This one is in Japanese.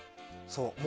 そう。